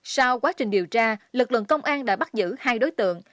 sau quá trình điều tra lực lượng công an đã bắt giữ hai đối tượng